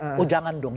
pasti orang akan